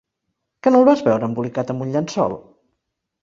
Que no el vas veure, embolicat amb un llençol?